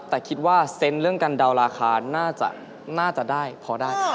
แต่คิดว่าเซนต์เรื่องการเดาราคาน่าจะได้พอได้